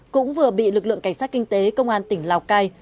cũng vừa bị lực lượng cảnh sát kinh tế công an tỉnh lào cai